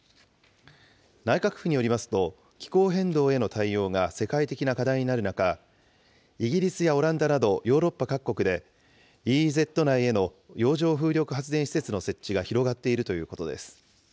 内閣府によりますと、気候変動への対応が世界的な課題になる中、イギリスやオランダなど、ヨーロッパ各国でＥＥＺ内への洋上風力発電施設の設置が広がっているということです。